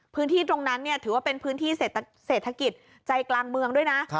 พื้นที่ตรงนั้นถือว่าเป็นพื้นที่เศรษฐกิจใจกลางเมืองด้วยนะ